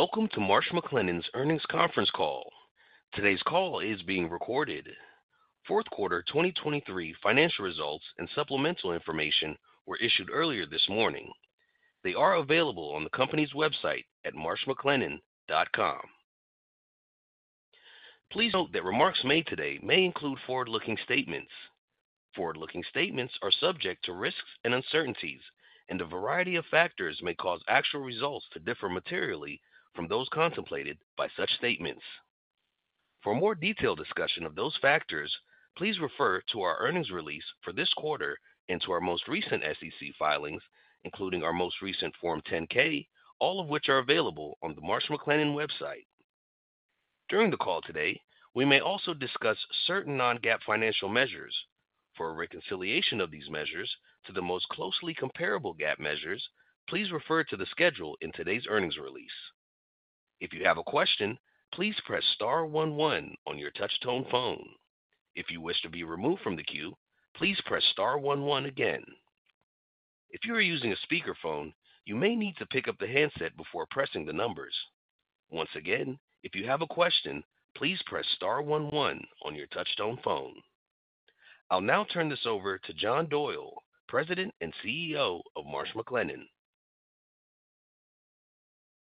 Welcome to Marsh McLennan's earnings conference call. Today's call is being recorded. Fourth quarter 2023 financial results and supplemental information were issued earlier this morning. They are available on the company's website at marshmclennan.com. Please note that remarks made today may include forward-looking statements. Forward-looking statements are subject to risks and uncertainties, and a variety of factors may cause actual results to differ materially from those contemplated by such statements. For more detailed discussion of those factors, please refer to our earnings release for this quarter and to our most recent SEC filings, including our most recent Form 10-K, all of which are available on the Marsh McLennan website. During the call today, we may also discuss certain non-GAAP financial measures. For a reconciliation of these measures to the most closely comparable GAAP measures, please refer to the schedule in today's earnings release. If you have a question, please press star one one on your touch-tone phone. If you wish to be removed from the queue, please press star one one again. If you are using a speakerphone, you may need to pick up the handset before pressing the numbers. Once again, if you have a question, please press star one one on your touch-tone phone. I'll now turn this over to John Doyle, President and CEO of Marsh McLennan.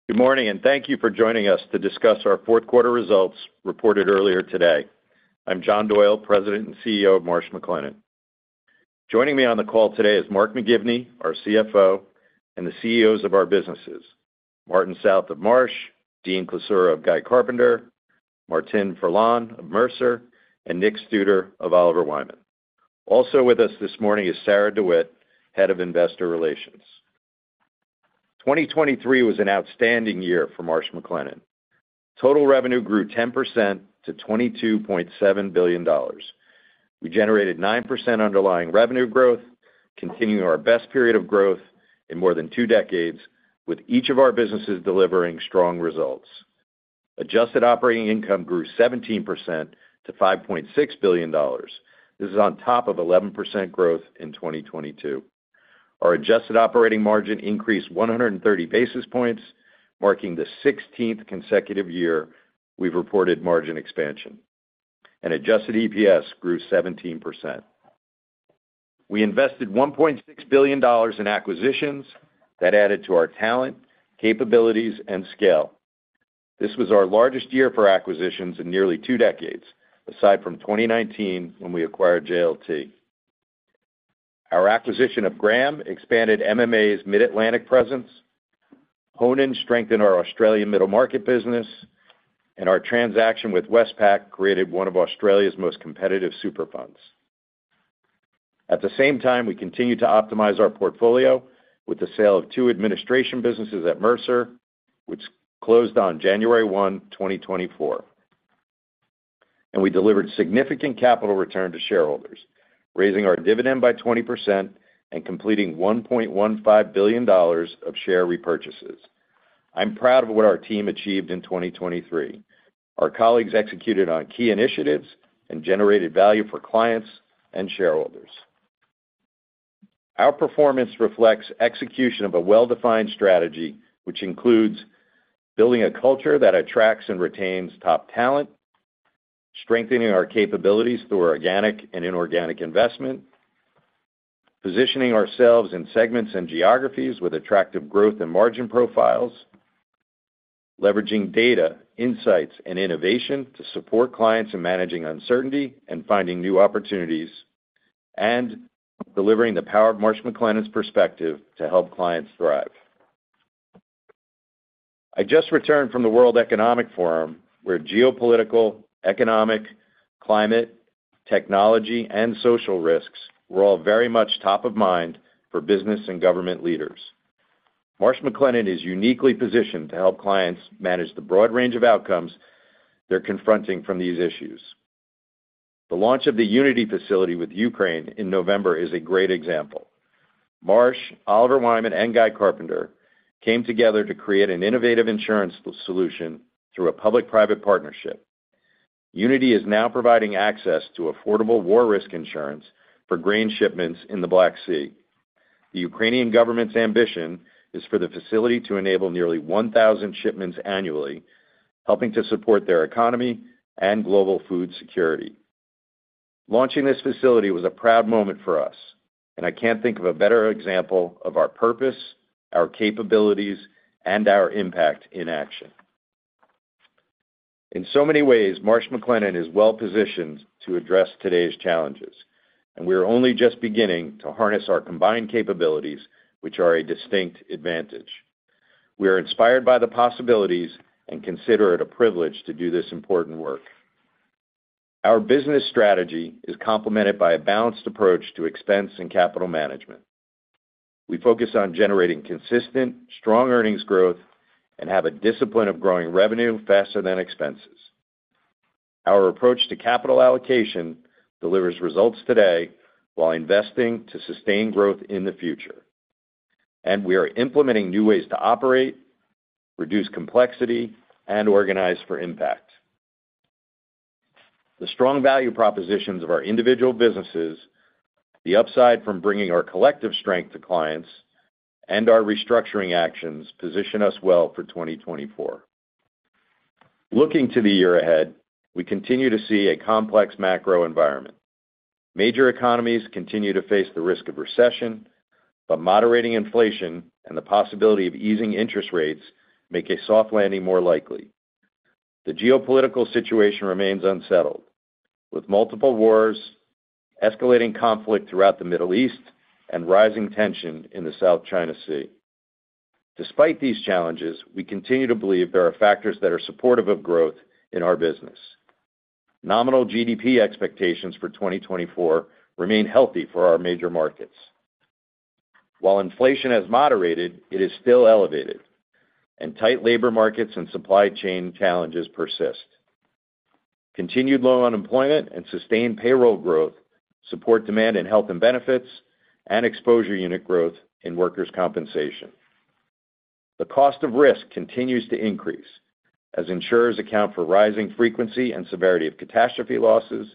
Good morning, and thank you for joining us to discuss our fourth quarter results reported earlier today. I'm John Doyle, President and CEO of Marsh McLennan. Joining me on the call today is Mark McGivney, our CFO, and the CEOs of our businesses, Martin South of Marsh, Dean Klisura of Guy Carpenter, Martine Ferland of Mercer, and Nick Studer of Oliver Wyman. Also with us this morning is Sarah DeWitt, Head of Investor Relations. 2023 was an outstanding year for Marsh McLennan. Total revenue grew 10% to $22.7 billion. We generated 9% underlying revenue growth, continuing our best period of growth in more than two decades, with each of our businesses delivering strong results. Adjusted operating income grew 17% to $5.6 billion. This is on top of 11% growth in 2022. Our adjusted operating margin increased 130 basis points, marking the 16th consecutive year we've reported margin expansion, and adjusted EPS grew 17%. We invested $1.6 billion in acquisitions that added to our talent, capabilities, and scale. This was our largest year for acquisitions in nearly two decades, aside from 2019, when we acquired JLT. Our acquisition of Graham expanded MMA's Mid-Atlantic presence, Honan strengthened our Australian middle market business, and our transaction with Westpac created one of Australia's most competitive super funds. At the same time, we continued to optimize our portfolio with the sale of two administration businesses at Mercer, which closed on January 1, 2024. And we delivered significant capital return to shareholders, raising our dividend by 20% and completing $1.15 billion of share repurchases. I'm proud of what our team achieved in 2023. Our colleagues executed on key initiatives and generated value for clients and shareholders. Our performance reflects execution of a well-defined strategy, which includes building a culture that attracts and retains top talent, strengthening our capabilities through organic and inorganic investment, positioning ourselves in segments and geographies with attractive growth and margin profiles, leveraging data, insights, and innovation to support clients in managing uncertainty and finding new opportunities, and delivering the power of Marsh McLennan's perspective to help clients thrive. I just returned from the World Economic Forum, where geopolitical, economic, climate, technology, and social risks were all very much top of mind for business and government leaders. Marsh McLennan is uniquely positioned to help clients manage the broad range of outcomes they're confronting from these issues. The launch of the Unity facility with Ukraine in November is a great example. Marsh, Oliver Wyman, and Guy Carpenter came together to create an innovative insurance solution through a public-private partnership. Unity is now providing access to affordable war risk insurance for grain shipments in the Black Sea. The Ukrainian government's ambition is for the facility to enable nearly 1,000 shipments annually, helping to support their economy and global food security. Launching this facility was a proud moment for us, and I can't think of a better example of our purpose, our capabilities, and our impact in action. In so many ways, Marsh McLennan is well positioned to address today's challenges, and we are only just beginning to harness our combined capabilities, which are a distinct advantage. We are inspired by the possibilities and consider it a privilege to do this important work. Our business strategy is complemented by a balanced approach to expense and capital management. We focus on generating consistent, strong earnings growth and have a discipline of growing revenue faster than expenses. Our approach to capital allocation delivers results today while investing to sustain growth in the future, and we are implementing new ways to operate, reduce complexity, and organize for impact. The strong value propositions of our individual businesses, the upside from bringing our collective strength to clients, and our restructuring actions position us well for 2024. Looking to the year ahead, we continue to see a complex macro environment. Major economies continue to face the risk of recession, but moderating inflation and the possibility of easing interest rates make a soft landing more likely. The geopolitical situation remains unsettled, with multiple wars, escalating conflict throughout the Middle East, and rising tension in the South China Sea. Despite these challenges, we continue to believe there are factors that are supportive of growth in our business. Nominal GDP expectations for 2024 remain healthy for our major markets. While inflation has moderated, it is still elevated, and tight labor markets and supply chain challenges persist. Continued low unemployment and sustained payroll growth support demand in health and benefits and exposure unit growth in workers' compensation. The cost of risk continues to increase as insurers account for rising frequency and severity of catastrophe losses,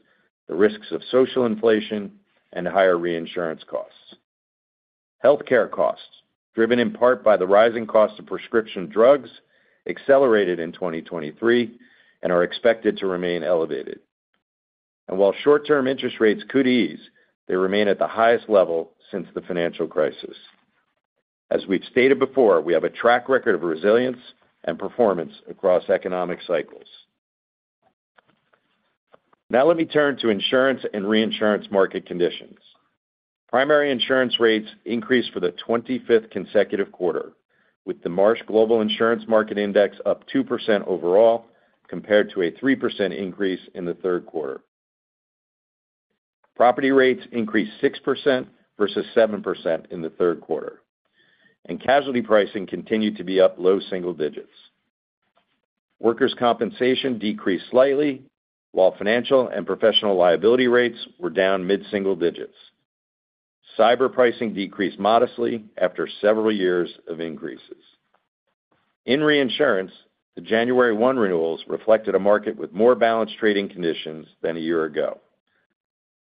the risks of social inflation, and higher reinsurance costs. Healthcare costs, driven in part by the rising cost of prescription drugs, accelerated in 2023 and are expected to remain elevated. While short-term interest rates could ease, they remain at the highest level since the financial crisis. As we've stated before, we have a track record of resilience and performance across economic cycles. Now let me turn to insurance and reinsurance market conditions. Primary insurance rates increased for the 25th consecutive quarter, with the Marsh Global Insurance Market Index up 2% overall, compared to a 3% increase in the third quarter. Property rates increased 6% versus 7% in the third quarter, and casualty pricing continued to be up low single digits. Workers' compensation decreased slightly, while financial and professional liability rates were down mid-single digits. Cyber pricing decreased modestly after several years of increases. In reinsurance, the January 1 renewals reflected a market with more balanced trading conditions than a year ago.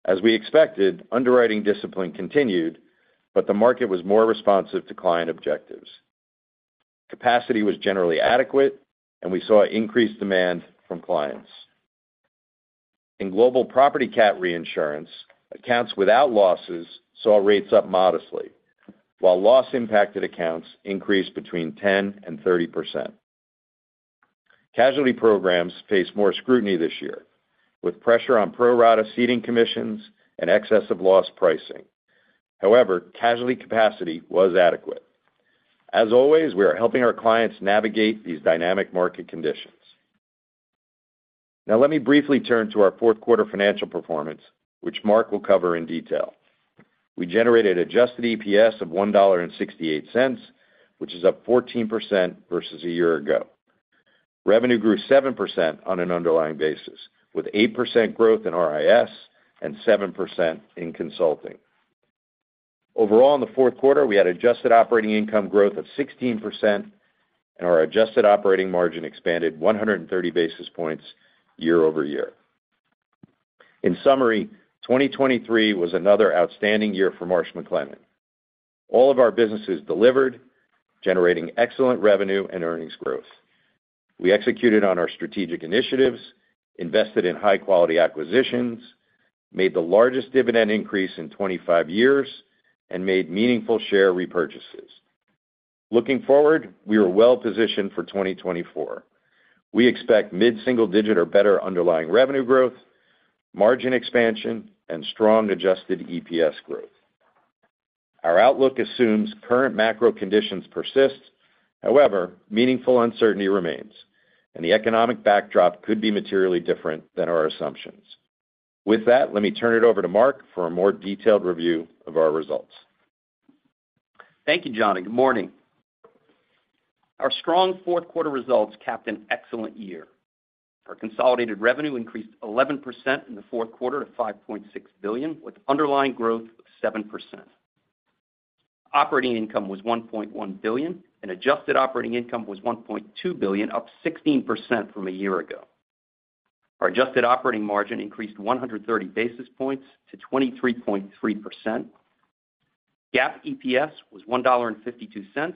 As we expected, underwriting discipline continued, but the market was more responsive to client objectives. Capacity was generally adequate, and we saw increased demand from clients. In global Property Cat reinsurance, accounts without losses saw rates up modestly, while loss-impacted accounts increased between 10% and 30%. Casualty programs faced more scrutiny this year, with pressure on pro-rata ceding commissions and excess of loss pricing. However, casualty capacity was adequate. As always, we are helping our clients navigate these dynamic market conditions. Now let me briefly turn to our fourth quarter financial performance, which Mark will cover in detail. We generated adjusted EPS of $1.68, which is up 14% versus a year ago. Revenue grew 7% on an underlying basis, with 8% growth in RIS and 7% in Consulting. Overall, in the fourth quarter, we had adjusted operating income growth of 16%, and our adjusted operating margin expanded 130 basis points year-over-year. In summary, 2023 was another outstanding year for Marsh McLennan. All of our businesses delivered, generating excellent revenue and earnings growth. We executed on our strategic initiatives, invested in high-quality acquisitions, made the largest dividend increase in 25 years, and made meaningful share repurchases. Looking forward, we are well positioned for 2024. We expect mid-single-digit or better underlying revenue growth, margin expansion, and strong adjusted EPS growth. Our outlook assumes current macro conditions persist. However, meaningful uncertainty remains, and the economic backdrop could be materially different than our assumptions. With that, let me turn it over to Mark for a more detailed review of our results. Thank you, John. Good morning. Our strong fourth quarter results capped an excellent year. Our consolidated revenue increased 11% in the fourth quarter to $5.6 billion, with underlying growth of 7%. Operating income was $1.1 billion, and adjusted operating income was $1.2 billion, up 16% from a year ago. Our adjusted operating margin increased 130 basis points to 23.3%. GAAP EPS was $1.52.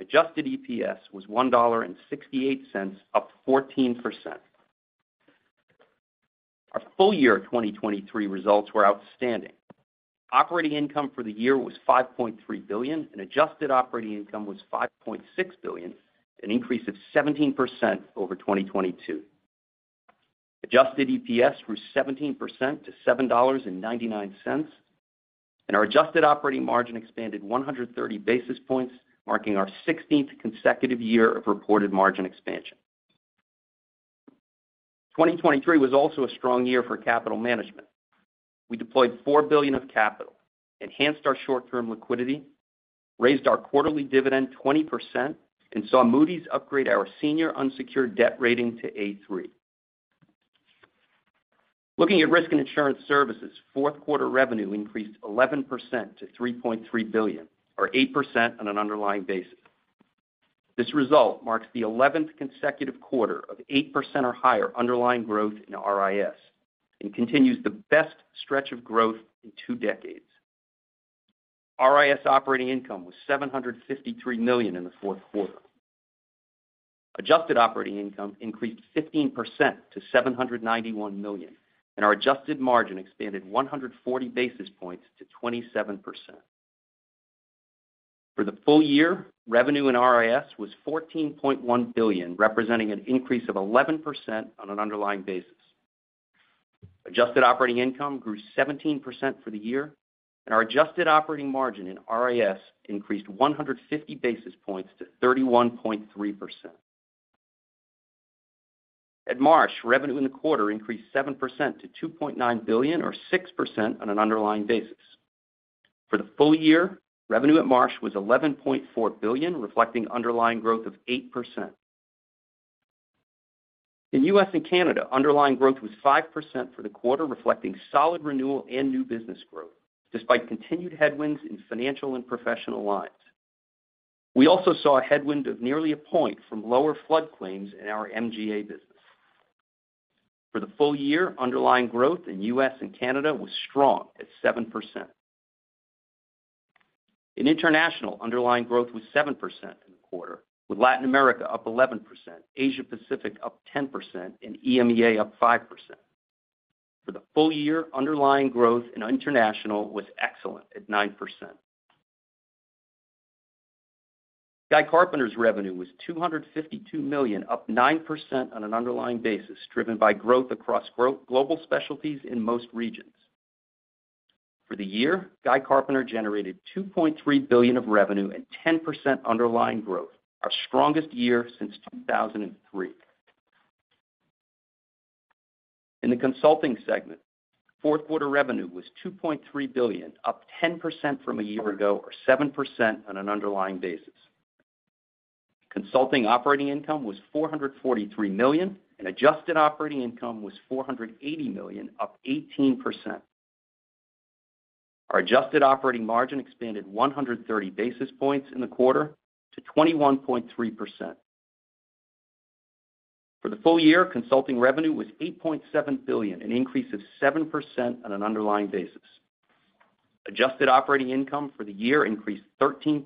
Adjusted EPS was $1.68, up 14%. Our full year 2023 results were outstanding. Operating income for the year was $5.3 billion, and adjusted operating income was $5.6 billion, an increase of 17% over 2022. Adjusted EPS grew 17% to $7.99, and our adjusted operating margin expanded 130 basis points, marking our 16th consecutive year of reported margin expansion. 2023 was also a strong year for capital management. We deployed $4 billion of capital, enhanced our short-term liquidity, raised our quarterly dividend 20%, and saw Moody's upgrade our senior unsecured debt rating to A3. Looking at Risk and Insurance Services, fourth quarter revenue increased 11% to $3.3 billion, or 8% on an underlying basis.... This result marks the 11th consecutive quarter of 8% or higher underlying growth in RIS, and continues the best stretch of growth in two decades. RIS operating income was $753 million in the fourth quarter. Adjusted operating income increased 15% to $791 million, and our adjusted margin expanded 140 basis points to 27%. For the full year, revenue in RIS was $14.1 billion, representing an increase of 11% on an underlying basis. Adjusted operating income grew 17% for the year, and our adjusted operating margin in RIS increased 150 basis points to 31.3%. At Marsh, revenue in the quarter increased 7% to $2.9 billion, or 6% on an underlying basis. For the full year, revenue at Marsh was $11.4 billion, reflecting underlying growth of 8%. In U.S. and Canada, underlying growth was 5% for the quarter, reflecting solid renewal and new business growth, despite continued headwinds in financial and professional lines. We also saw a headwind of nearly a point from lower flood claims in our MGA business. For the full year, underlying growth in U.S. and Canada was strong at 7%. In international, underlying growth was 7% in the quarter, with Latin America up 11%, Asia Pacific up 10%, and EMEA up 5%. For the full year, underlying growth in international was excellent at 9%. Guy Carpenter's revenue was $252 million, up 9% on an underlying basis, driven by growth across global specialties in most regions. For the year, Guy Carpenter generated $2.3 billion of revenue and 10% underlying growth, our strongest year since 2003. In the Consulting segment, fourth quarter revenue was $2.3 billion, up 10% from a year ago, or 7% on an underlying basis. Consulting operating income was $443 million, and adjusted operating income was $480 million, up 18%. Our adjusted operating margin expanded 130 basis points in the quarter to 21.3%. For the full year, Consulting revenue was $8.7 billion, an increase of 7% on an underlying basis. Adjusted operating income for the year increased 13%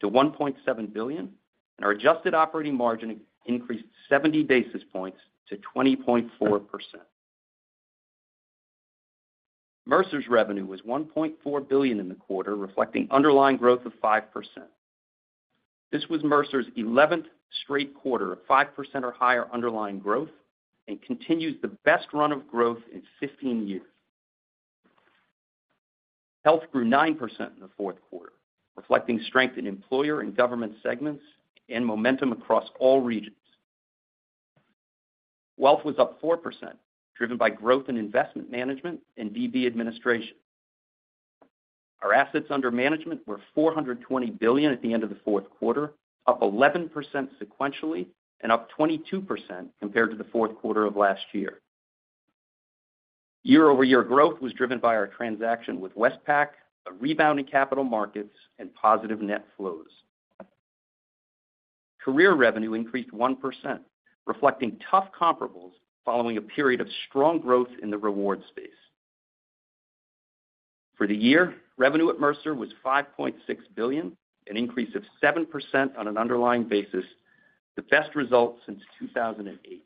to $1.7 billion, and our adjusted operating margin increased 70 basis points to 20.4%. Mercer's revenue was $1.4 billion in the quarter, reflecting underlying growth of 5%. This was Mercer's 11th straight quarter of 5% or higher underlying growth and continues the best run of growth in 15 years. Health grew 9% in the fourth quarter, reflecting strength in employer and government segments and momentum across all regions. Wealth was up 4%, driven by growth in investment management and DB administration. Our assets under management were $420 billion at the end of the fourth quarter, up 11% sequentially and up 22% compared to the fourth quarter of last year. Year-over-year growth was driven by our transaction with Westpac, a rebounding capital markets, and positive net flows. Career revenue increased 1%, reflecting tough comparables following a period of strong growth in the reward space. For the year, revenue at Mercer was $5.6 billion, an increase of 7% on an underlying basis, the best result since 2008.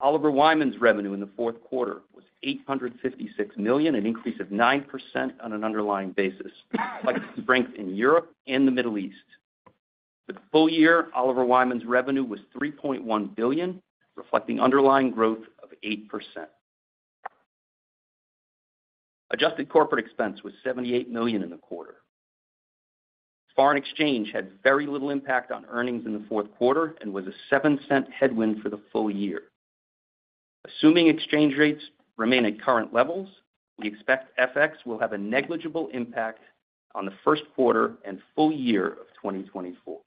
Oliver Wyman's revenue in the fourth quarter was $856 million, an increase of 9% on an underlying basis, reflecting strength in Europe and the Middle East. For the full year, Oliver Wyman's revenue was $3.1 billion, reflecting underlying growth of 8%. Adjusted corporate expense was $78 million in the quarter. Foreign exchange had very little impact on earnings in the fourth quarter and was a $0.07 headwind for the full year. Assuming exchange rates remain at current levels, we expect FX will have a negligible impact on the first quarter and full year of 2024.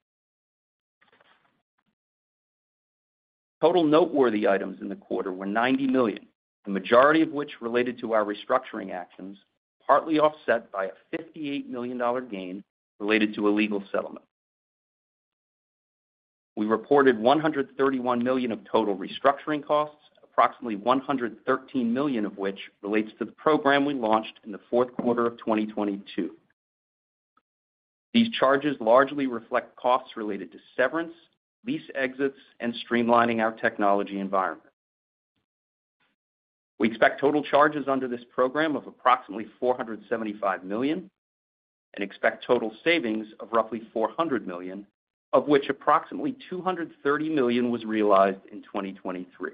Total noteworthy items in the quarter were $90 million, the majority of which related to our restructuring actions, partly offset by a $58 million gain related to a legal settlement. We reported $131 million of total restructuring costs, approximately $113 million of which relates to the program we launched in the fourth quarter of 2022. These charges largely reflect costs related to severance, lease exits, and streamlining our technology environment. We expect total charges under this program of approximately $475 million, and expect total savings of roughly $400 million, of which approximately $230 million was realized in 2023.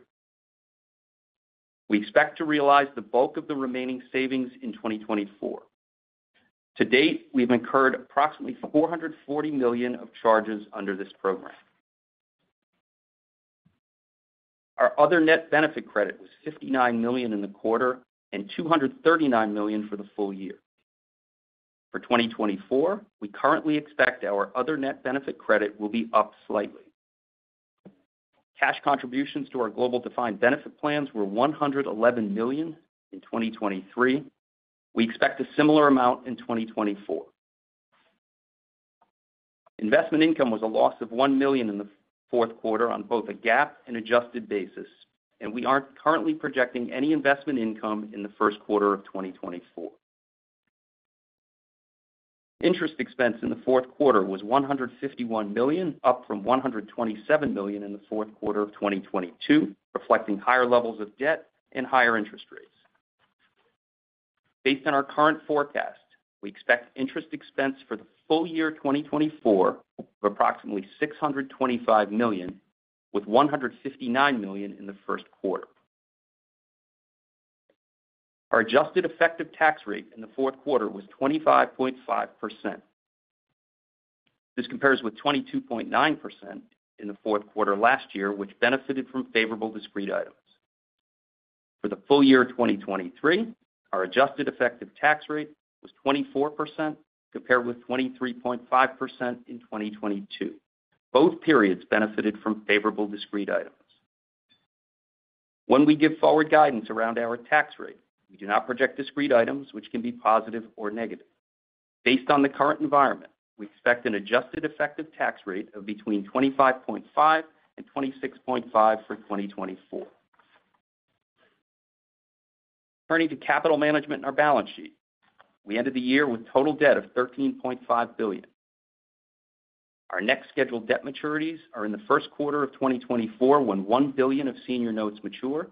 We expect to realize the bulk of the remaining savings in 2024. To date, we've incurred approximately $440 million of charges under this program. Our other net benefit credit was $59 million in the quarter and $239 million for the full year. For 2024, we currently expect our other net benefit credit will be up slightly. Cash contributions to our global Defined Benefit plans were $111 million in 2023. We expect a similar amount in 2024. Investment income was a loss of $1 million in the fourth quarter on both a GAAP and adjusted basis, and we aren't currently projecting any investment income in the first quarter of 2024. Interest expense in the fourth quarter was $151 million, up from $127 million in the fourth quarter of 2022, reflecting higher levels of debt and higher interest rates. Based on our current forecast, we expect interest expense for the full year 2024 of approximately $625 million, with $159 million in the first quarter. Our adjusted effective tax rate in the fourth quarter was 25.5%. This compares with 22.9% in the fourth quarter last year, which benefited from favorable discrete items. For the full year 2023, our adjusted effective tax rate was 24%, compared with 23.5% in 2022. Both periods benefited from favorable discrete items. When we give forward guidance around our tax rate, we do not project discrete items, which can be positive or negative. Based on the current environment, we expect an adjusted effective tax rate of between 25.5% and 26.5% for 2024. Turning to capital management and our balance sheet. We ended the year with total debt of $13.5 billion. Our next scheduled debt maturities are in the first quarter of 2024, when $1 billion of senior notes mature,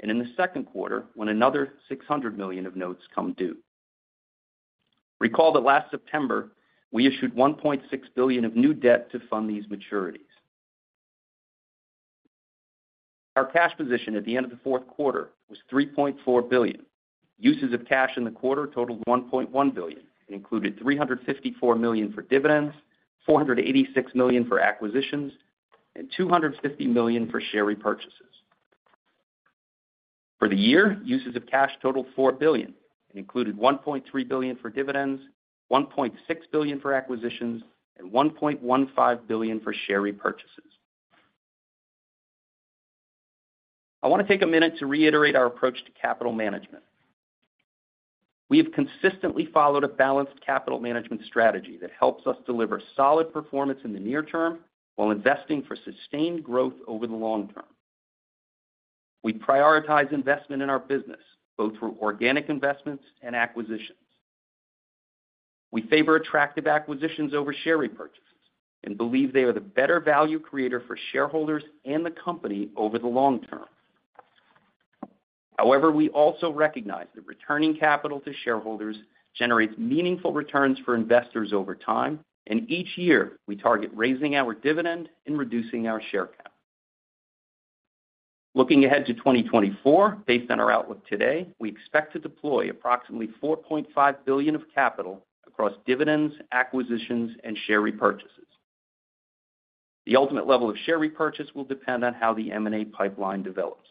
and in the second quarter, when another $600 million of notes come due. Recall that last September, we issued $1.6 billion of new debt to fund these maturities. Our cash position at the end of the fourth quarter was $3.4 billion. Uses of cash in the quarter totaled $1.1 billion, and included $354 million for dividends, $486 million for acquisitions, and $250 million for share repurchases. For the year, uses of cash totaled $4 billion and included $1.3 billion for dividends, $1.6 billion for acquisitions, and $1.15 billion for share repurchases. I want to take a minute to reiterate our approach to capital management. We have consistently followed a balanced capital management strategy that helps us deliver solid performance in the near term while investing for sustained growth over the long term. We prioritize investment in our business, both through organic investments and acquisitions. We favor attractive acquisitions over share repurchases and believe they are the better value creator for shareholders and the company over the long term. However, we also recognize that returning capital to shareholders generates meaningful returns for investors over time, and each year, we target raising our dividend and reducing our share count. Looking ahead to 2024, based on our outlook today, we expect to deploy approximately $4.5 billion of capital across dividends, acquisitions, and share repurchases. The ultimate level of share repurchase will depend on how the M&A pipeline develops.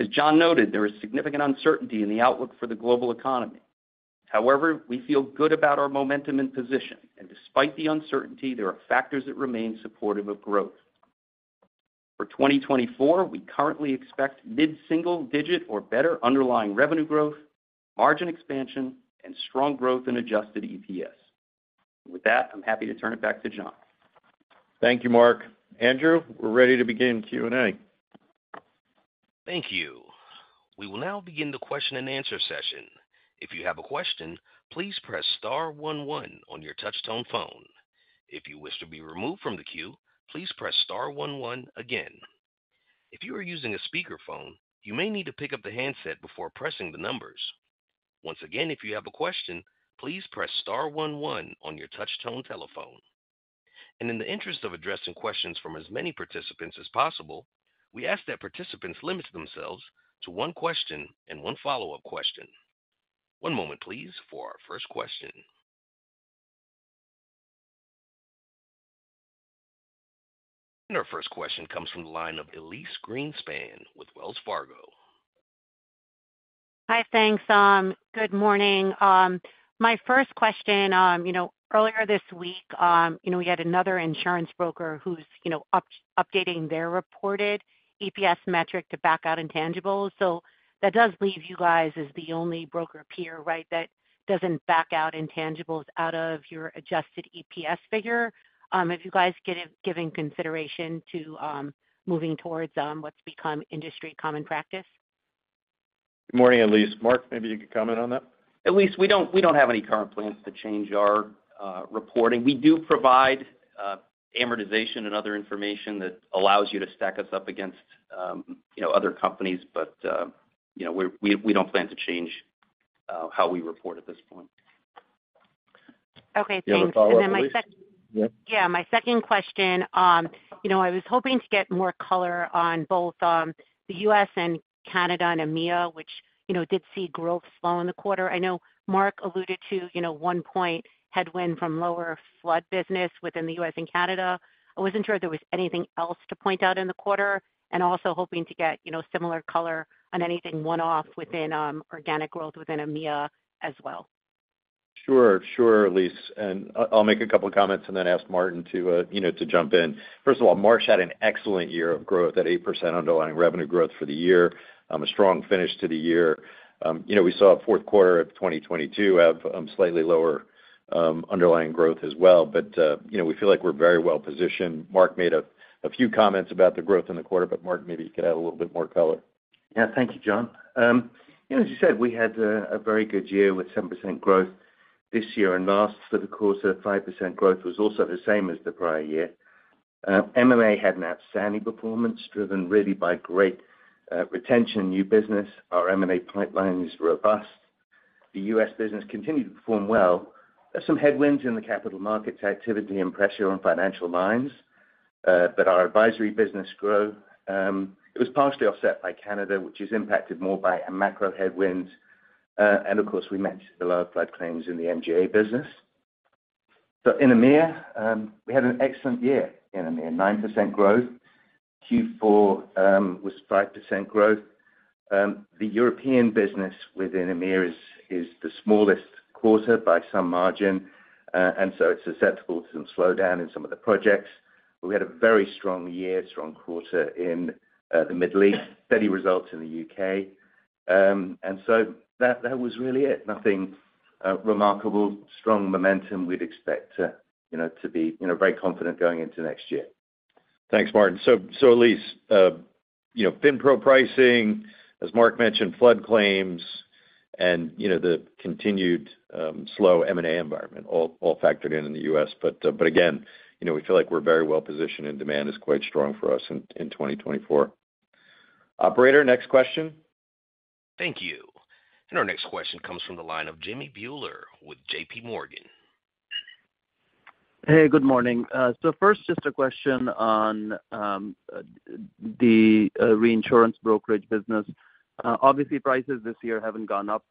As John noted, there is significant uncertainty in the outlook for the global economy. However, we feel good about our momentum and position, and despite the uncertainty, there are factors that remain supportive of growth. For 2024, we currently expect mid-single-digit or better underlying revenue growth, margin expansion, and strong growth in adjusted EPS. With that, I'm happy to turn it back to John. Thank you, Mark. Andrew, we're ready to begin Q&A. Thank you. We will now begin the question-and-answer session. If you have a question, please press star one one on your touchtone phone. If you wish to be removed from the queue, please press star one one again. If you are using a speakerphone, you may need to pick up the handset before pressing the numbers. Once again, if you have a question, please press star one one on your touchtone telephone. In the interest of addressing questions from as many participants as possible, we ask that participants limit themselves to one question and one follow-up question. One moment, please, for our first question. Our first question comes from the line of Elyse Greenspan with Wells Fargo. Hi, thanks. Good morning. My first question, you know, earlier this week, you know, we had another insurance broker who's, you know, updating their reported EPS metric to back out intangibles. So that does leave you guys as the only broker peer, right, that doesn't back out intangibles out of your adjusted EPS figure. If you guys are giving consideration to moving towards what's become industry common practice? Good morning, Elyse. Mark, maybe you could comment on that. Elyse, we don't, we don't have any current plans to change our reporting. We do provide amortization and other information that allows you to stack us up against, you know, other companies, but, you know, we're—we, we don't plan to change how we report at this point. Okay, thanks. You have a follow-up, Elyse? And then my sec- Yep. Yeah, my second question, you know, I was hoping to get more color on both, the U.S. and Canada and EMEA, which, you know, did see growth slow in the quarter. I know Mark alluded to, you know, 1 point headwind from lower flood business within the U.S. and Canada. I wasn't sure if there was anything else to point out in the quarter, and also hoping to get, you know, similar color on anything one-off within, organic growth within EMEA as well. Sure, sure, Elyse, and I'll make a couple comments and then ask Martin to, you know, to jump in. First of all, Marsh had an excellent year of growth, at 8% underlying revenue growth for the year, a strong finish to the year. You know, we saw a fourth quarter of 2022 have slightly lower underlying growth as well. But, you know, we feel like we're very well positioned. Mark made a few comments about the growth in the quarter, but Mark, maybe you could add a little bit more color. Yeah. Thank you, John. You know, as you said, we had a very good year with 7% growth this year and last, for the course of 5% growth, was also the same as the prior year. MMA had an outstanding performance, driven really by great retention and new business. Our M&A pipeline is robust. The U.S. business continued to perform well. There's some headwinds in the capital markets activity and pressure on financial lines. But our advisory business growth it was partially offset by Canada, which is impacted more by a macro headwinds. And of course, we mentioned the lower flood claims in the MMA business. So in EMEA, we had an excellent year in EMEA, 9% growth. Q4 was 5% growth. The European business within EMEA is the smallest quarter by some margin, and so it's susceptible to some slowdown in some of the projects. We had a very strong year, strong quarter in the Middle East, steady results in the U.K. And so that was really it. Nothing remarkable. Strong momentum we'd expect to, you know, to be, you know, very confident going into next year. Thanks, Martin. So, so Elyse, you know, FinPro pricing, as Mark mentioned, flood claims, and, you know, the continued, slow M&A environment, all, all factored in in the U.S. But, but again, you know, we feel like we're very well positioned, and demand is quite strong for us in, in 2024. Operator, next question. Thank you. And our next question comes from the line of Jimmy Bhullar with JPMorgan. Hey, good morning. So first, just a question on the reinsurance brokerage business. Obviously, prices this year haven't gone up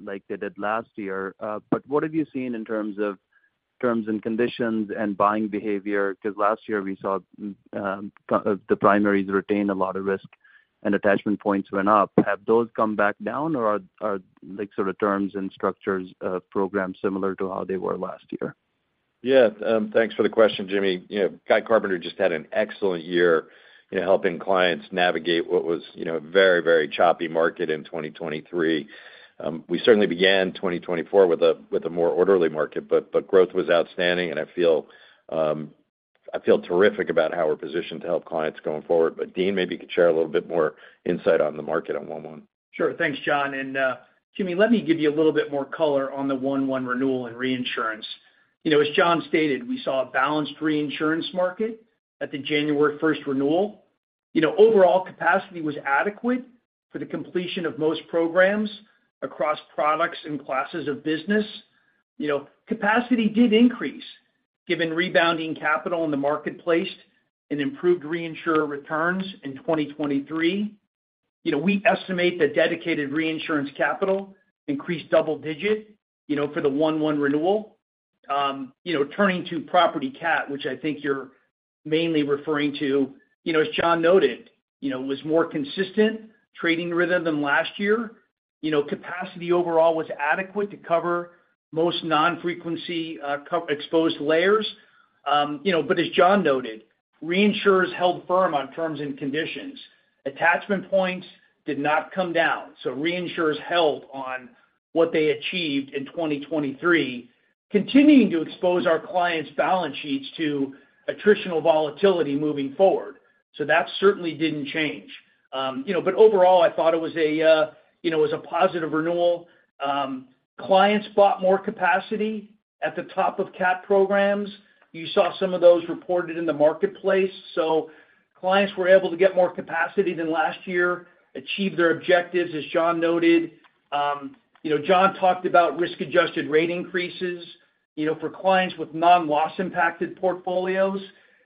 like they did last year. But what have you seen in terms of terms and conditions and buying behavior? Because last year we saw the primaries retain a lot of risk, and attachment points went up. Have those come back down, or are like sort of terms and structures programs similar to how they were last year? Yeah, thanks for the question, Jimmy. You know, Guy Carpenter just had an excellent year, you know, helping clients navigate what was, you know, a very, very choppy market in 2023. We certainly began 2024 with a more orderly market, but growth was outstanding, and I feel terrific about how we're positioned to help clients going forward. But Dean, maybe you could share a little bit more insight on the market one-on-one. Sure. Thanks, John. Jimmy, let me give you a little bit more color on the 1/1 renewal and reinsurance. You know, as John stated, we saw a balanced reinsurance market at the January first renewal. You know, overall capacity was adequate for the completion of most programs across products and classes of business. You know, capacity did increase, given rebounding capital in the marketplace and improved reinsurer returns in 2023. You know, we estimate that dedicated reinsurance capital increased double digit, you know, for the 1/1 renewal. You know, turning to property cat, which I think you're mainly referring to, you know, as John noted, you know, was more consistent trading rhythm than last year. You know, capacity overall was adequate to cover most non-frequency, cat-exposed layers. You know, but as John noted, reinsurers held firm on terms and conditions. Attachment points did not come down, so reinsurers held on what they achieved in 2023, continuing to expose our clients' balance sheets to attritional volatility moving forward. So that certainly didn't change. You know, but overall, I thought it was a, you know, it was a positive renewal. Clients bought more capacity at the top of cat programs. You saw some of those reported in the marketplace. So clients were able to get more capacity than last year, achieve their objectives, as John noted. You know, John talked about risk-adjusted rate increases, you know, for clients with non-loss impacted portfolios.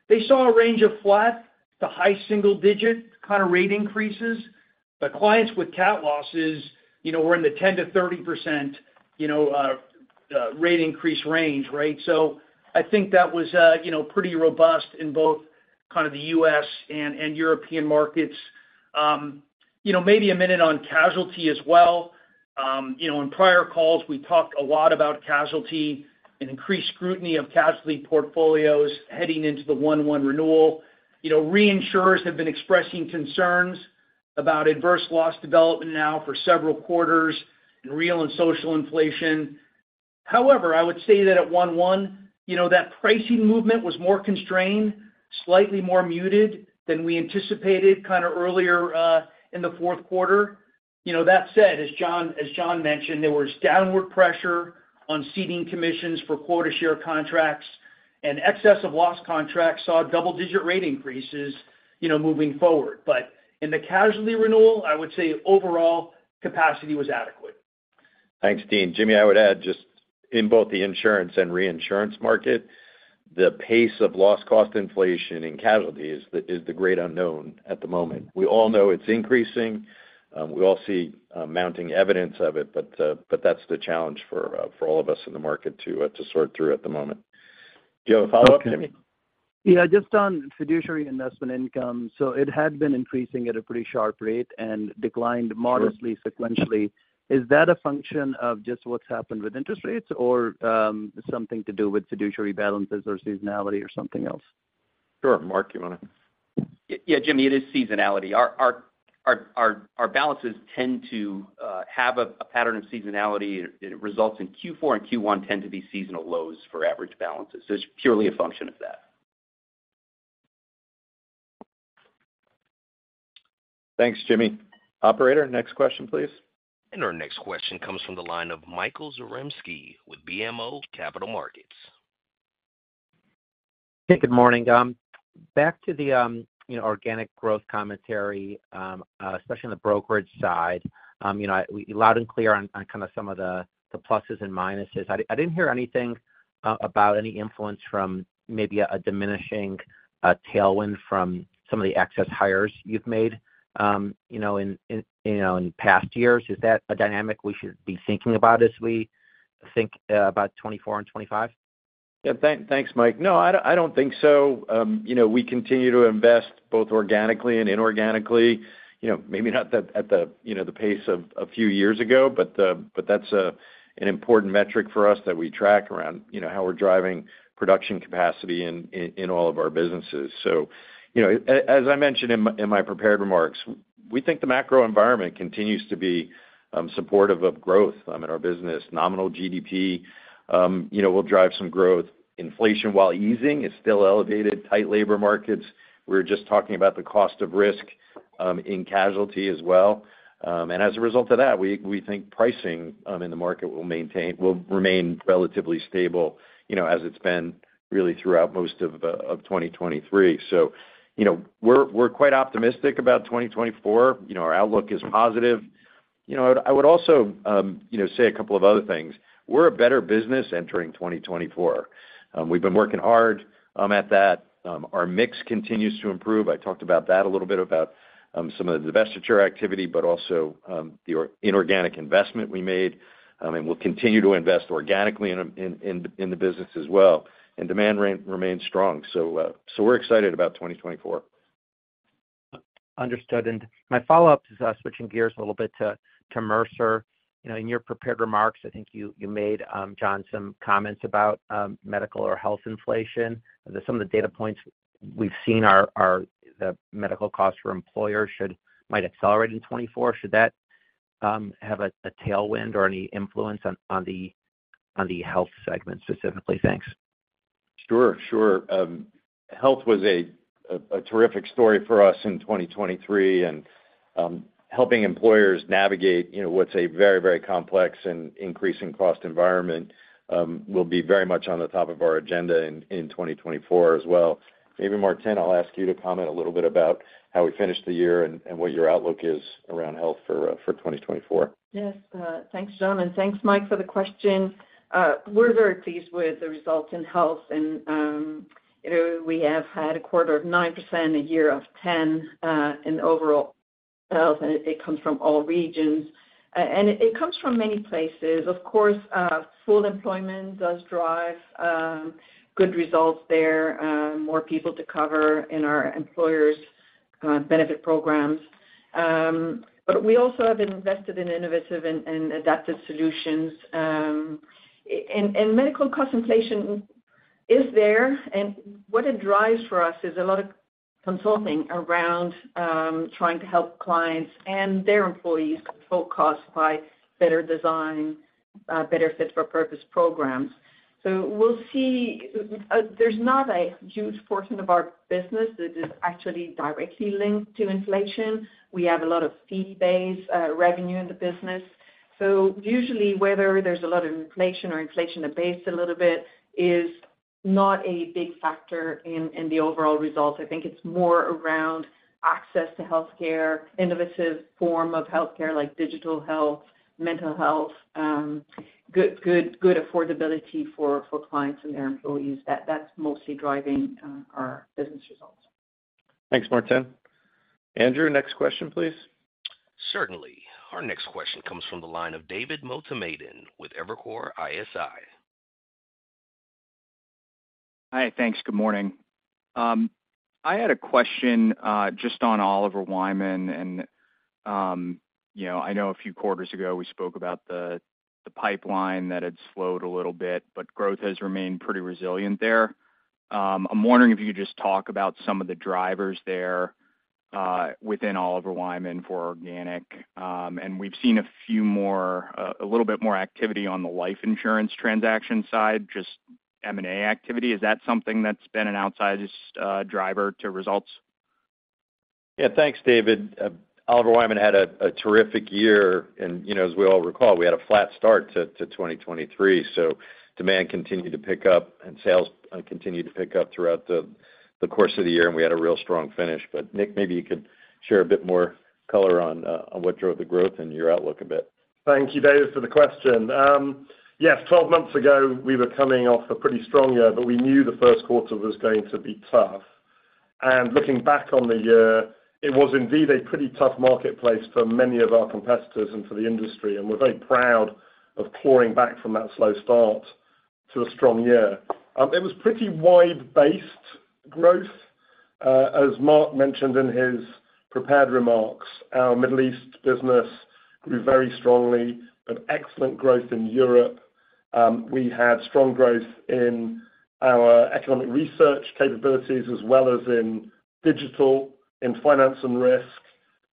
They saw a range of flat to high single digit kind of rate increases. But clients with cat losses, you know, were in the 10%-30%, you know, rate increase range, right? So I think that was, you know, pretty robust in both kind of the U.S. and European markets. You know, maybe a minute on casualty as well. You know, in prior calls, we talked a lot about casualty and increased scrutiny of casualty portfolios heading into the 1/1 renewal. You know, reinsurers have been expressing concerns about adverse loss development now for several quarters in real and social inflation. However, I would say that at 1/1, you know, that pricing movement was more constrained, slightly more muted than we anticipated kind of earlier, in the fourth quarter. You know, that said, as John mentioned, there was downward pressure on ceding commissions for quota share contracts, and excess of loss contracts saw double-digit rate increases, you know, moving forward. But in the casualty renewal, I would say overall capacity was adequate. Thanks, Dean. Jimmy, I would add, just in both the insurance and reinsurance market, the pace of loss cost inflation in casualty is the, is the great unknown at the moment. We all know it's increasing. We all see mounting evidence of it, but but that's the challenge for for all of us in the market to to sort through at the moment. Do you have a follow-up, Jimmy? Yeah, just on Fiduciary Investment Income. So it had been increasing at a pretty sharp rate and declined modestly, sequentially. Is that a function of just what's happened with interest rates, or, something to do with fiduciary balances or seasonality or something else? Sure. Mark, you want to? Yeah, Jimmy, it is seasonality. Our balances tend to have a pattern of seasonality, and it results in Q4 and Q1 tend to be seasonal lows for average balances. So it's purely a function of that. Thanks, Jimmy. Operator, next question, please. Our next question comes from the line of Michael Zaremski with BMO Capital Markets. Hey, good morning. Back to the, you know, organic growth commentary, especially on the brokerage side. You know, loud and clear on kind of some of the pluses and minuses. I didn't hear anything about any influence from maybe a diminishing tailwind from some of the excess hires you've made, you know, in past years. Is that a dynamic we should be thinking about as we think about 2024 and 2025? Yeah, thanks, Mike. No, I don't think so. You know, we continue to invest both organically and inorganically. You know, maybe not at the, at the, you know, the pace of a few years ago, but but that's an important metric for us that we track around, you know, how we're driving production capacity in all of our businesses. So, you know, as I mentioned in my prepared remarks, we think the macro environment continues to be supportive of growth in our business. Nominal GDP, you know, will drive some growth. Inflation, while easing, is still elevated. Tight labor markets. We're just talking about the cost of risk in casualty as well. And as a result of that, we think pricing in the market will remain relatively stable, you know, as it's been really throughout most of 2023. So, you know, we're quite optimistic about 2024. You know, our outlook is positive. You know, I would also say a couple of other things. We're a better business entering 2024. We've been working hard at that. Our mix continues to improve. I talked about that a little bit, about some of the divestiture activity, but also the inorganic investment we made. And we'll continue to invest organically in the business as well, and demand remains strong. So, we're excited about 2024. Understood. My follow-up is switching gears a little bit to Mercer. You know, in your prepared remarks, I think you made John some comments about medical or health inflation. Some of the data points we've seen are the medical costs for employers might accelerate in 2024. Should that have a tailwind or any influence on the health segment specifically? Thanks. Sure, sure. Health was a terrific story for us in 2023, and helping employers navigate, you know, what's a very, very complex and increasing cost environment will be very much on the top of our agenda in 2024 as well. Maybe, Martine, I'll ask you to comment a little bit about how we finished the year and what your outlook is around health for 2024. Yes. Thanks, John, and thanks, Mike, for the question. We're very pleased with the results in health and, you know, we have had a quarter of 9%, a year of 10%, in overall health, and it comes from all regions. And it comes from many places. Of course, full employment does drive good results there, more people to cover in our employers' benefit programs. But we also have invested in innovative and adaptive solutions. And medical cost inflation is there, and what it drives for us is a lot of consulting around trying to help clients and their employees control costs by better design, better fit for purpose programs. So we'll see. There's not a huge portion of our business that is actually directly linked to inflation. We have a lot of fee-based revenue in the business. So usually, whether there's a lot of inflation or inflation abates a little bit is not a big factor in the overall results. I think it's more around access to healthcare, innovative form of healthcare, like digital health, mental health, good, good, good affordability for clients and their employees. That's mostly driving our business results. Thanks, Martine. Andrew, next question, please. Certainly. Our next question comes from the line of David Motemaden with Evercore ISI. Hi, thanks. Good morning. I had a question, just on Oliver Wyman and, you know, I know a few quarters ago, we spoke about the pipeline that had slowed a little bit, but growth has remained pretty resilient there. I'm wondering if you could just talk about some of the drivers there, within Oliver Wyman for organic. And we've seen a few more, a little bit more activity on the life insurance transaction side, just M&A activity. Is that something that's been an outsized, driver to results? Yeah. Thanks, David. Oliver Wyman had a terrific year and, you know, as we all recall, we had a flat start to 2023, so demand continued to pick up and sales continued to pick up throughout the course of the year, and we had a real strong finish. But Nick, maybe you could share a bit more color on what drove the growth and your outlook a bit. Thank you, David, for the question. Yes, 12 months ago, we were coming off a pretty strong year, but we knew the first quarter was going to be tough. Looking back on the year, it was indeed a pretty tough marketplace for many of our competitors and for the industry, and we're very proud of clawing back from that slow start to a strong year. It was pretty wide-based growth. As Mark mentioned in his prepared remarks, our Middle East business grew very strongly, had excellent growth in Europe. We had strong growth in our economic research capabilities, as well as in digital, in finance and risk.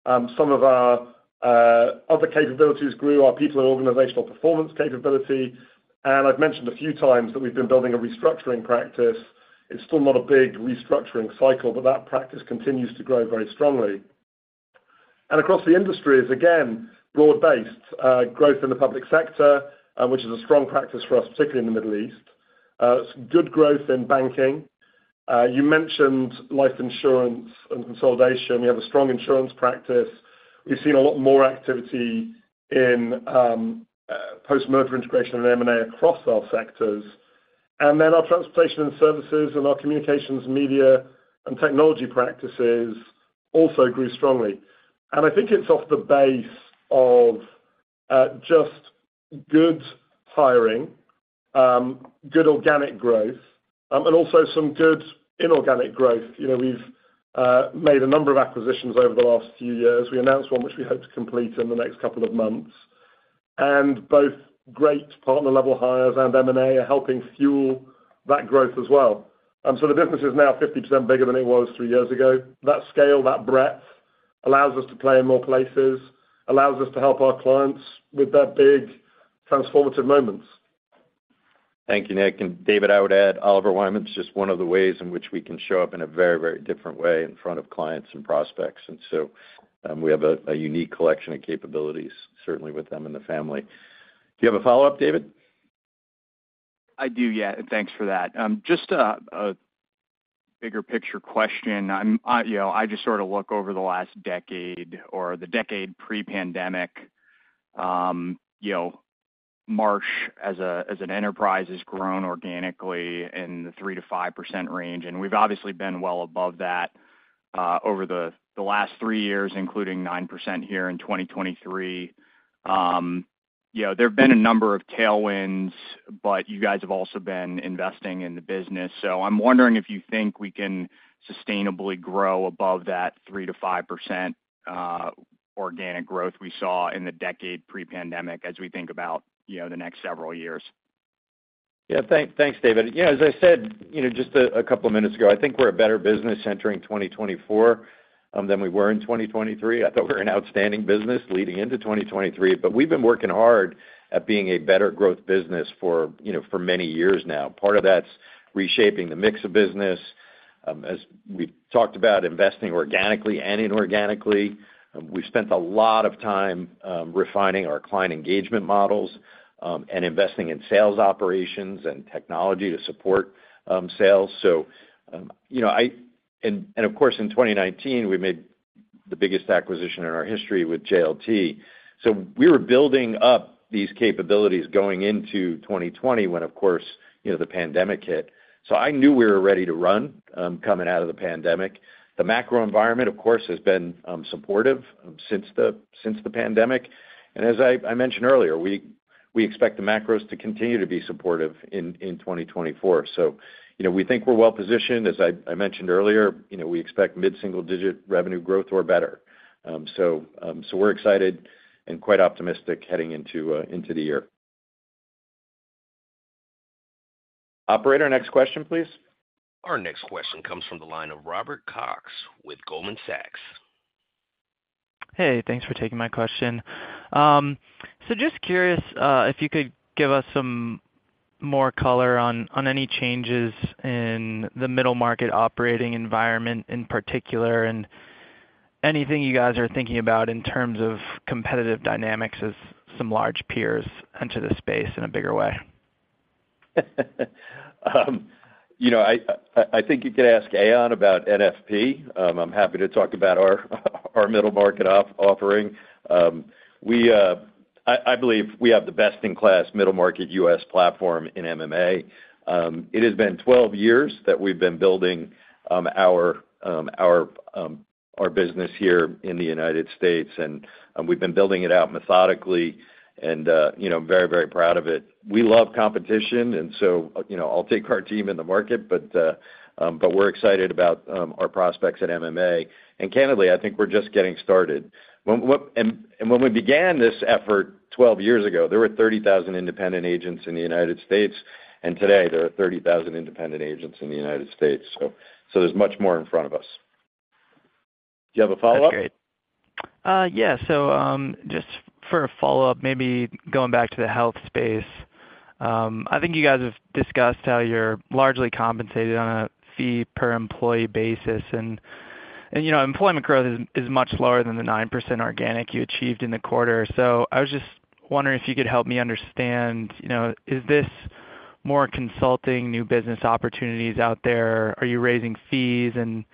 Some of our other capabilities grew, our people and organizational performance capability. I've mentioned a few times that we've been building a restructuring practice. It's still not a big restructuring cycle, but that practice continues to grow very strongly. Across the industry is again broad-based growth in the public sector, which is a strong practice for us, particularly in the Middle East. Some good growth in banking. You mentioned life insurance and consolidation. We have a strong insurance practice. We've seen a lot more activity in post-merger integration and M&A across our sectors. And then our transportation and services and our communications, media, and technology practices also grew strongly. And I think it's off the base of just good hiring, good organic growth, and also some good inorganic growth. You know, we've made a number of acquisitions over the last few years. We announced one, which we hope to complete in the next couple of months. Both great partner-level hires and M&A are helping fuel that growth as well. So the business is now 50% bigger than it was three years ago. That scale, that breadth, allows us to play in more places, allows us to help our clients with their big transformative moments. Thank you, Nick. And David, I would add, Oliver Wyman is just one of the ways in which we can show up in a very, very different way in front of clients and prospects. And so, we have a unique collection of capabilities, certainly with them in the family. Do you have a follow-up, David? I do, yeah, and thanks for that. Just a bigger picture question. I, you know, just sort of look over the last decade or the decade pre-pandemic, you know, Marsh, as an enterprise, has grown organically in the 3%-5% range, and we've obviously been well above that, over the last three years, including 9% here in 2023. You know, there have been a number of tailwinds, but you guys have also been investing in the business. So I'm wondering if you think we can sustainably grow above that 3%-5% organic growth we saw in the decade pre-pandemic as we think about, you know, the next several years. Yeah. Thank, thanks, David. Yeah, as I said, you know, just a couple of minutes ago, I think we're a better business entering 2024 than we were in 2023. I thought we were an outstanding business leading into 2023, but we've been working hard at being a better growth business for, you know, for many years now. Part of that's reshaping the mix of business. As we've talked about, investing organically and inorganically. We've spent a lot of time refining our client engagement models and investing in sales operations and technology to support sales. So, you know, and of course, in 2019, we made the biggest acquisition in our history with JLT. So we were building up these capabilities going into 2020, when, of course, you know, the pandemic hit. So I knew we were ready to run, coming out of the pandemic. The macro environment, of course, has been supportive since the, since the pandemic. And as I mentioned earlier, we expect the macros to continue to be supportive in 2024. So you know, we think we're well positioned. As I mentioned earlier, you know, we expect mid-single-digit revenue growth or better. So we're excited and quite optimistic heading into the year. Operator, next question, please. Our next question comes from the line of Robert Cox with Goldman Sachs. Hey, thanks for taking my question. So just curious, if you could give us some more color on, on any changes in the middle market operating environment in particular, and anything you guys are thinking about in terms of competitive dynamics as some large peers enter the space in a bigger way? You know, I think you could ask Aon about NFP. I'm happy to talk about our middle market offering. We believe we have the best-in-class middle market U.S. platform in MMA. It has been 12 years that we've been building our business here in the United States, and we've been building it out methodically and, you know, very, very proud of it. We love competition, and so, you know, I'll take our team in the market, but we're excited about our prospects at MMA. And candidly, I think we're just getting started. And when we began this effort 12 years ago, there were 30,000 independent agents in the United States, and today there are 30,000 independent agents in the United States. So, there's much more in front of us. Do you have a follow-up? That's great. Yeah. So, just for a follow-up, maybe going back to the health space. I think you guys have discussed how you're largely compensated on a fee per employee basis, and, you know, employment growth is much lower than the 9% organic you achieved in the quarter. So I was just wondering if you could help me understand, you know, is this more Consulting, new business opportunities out there? Are you raising fees? And,